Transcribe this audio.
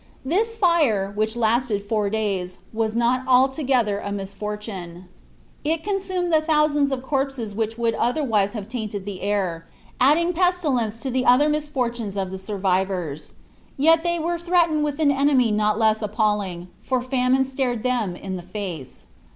This fire, which lasted four days, was not altogether a misfortune. It consumed the thousands of corpses which would otherwise have tainted the air, adding pestilence to the other misfortunes of the survivors. Yet they were threatened with an enemy not less appalling, for famine stared them in the face.